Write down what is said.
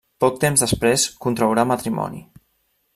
Poc temps després contraurà matrimoni.